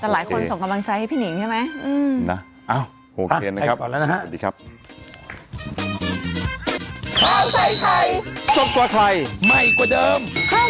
ให้พี่หนิงใช่ไหมอืมนะเอาโอเคนะครับให้ก่อนแล้วนะฮะสวัสดีครับ